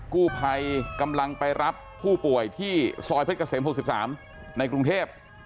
กู้ภัยกำลังไปรับผู้ป่วยที่ซอยเพชรเกษม๖๓ในกรุงเทพ